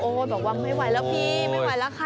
บอกว่าไม่ไหวแล้วพี่ไม่ไหวแล้วค่ะ